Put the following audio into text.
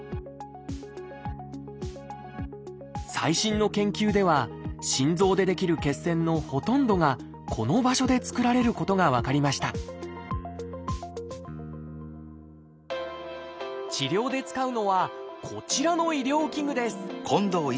最新の研究では心臓で出来る血栓のほとんどがこの場所で作られることが分かりました治療で使うのはこちらの医療器具です